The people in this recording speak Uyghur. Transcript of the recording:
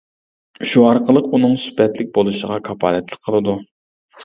شۇ ئارقىلىق ئۇنىڭ سۈپەتلىك بولۇشىغا كاپالەتلىك قىلىدۇ.